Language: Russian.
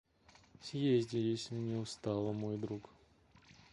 Съезди, если не устала, мой друг.